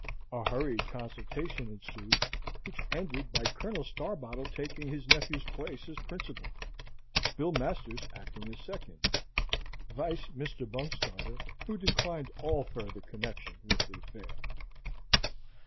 A hurried consultation ensued, which ended by Colonel Starbottle taking his nephew's place as principal, Bill Masters acting as second, vice Mr. Bungstarter, who declined all further connection with the affair.